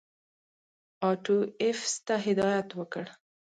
آټو ایفز ته هدایت وکړ.